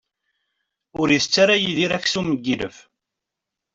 Ur itett ara Yidir aksum n yilef.